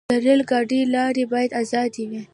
د ریل ګاډي لارې باید آزادې وي.